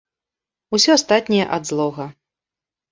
Усё астатняе ад злога.